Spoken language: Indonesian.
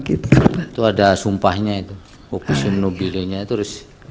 itu ada sumpahnya itu opusium nobilenya itu